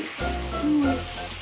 うん。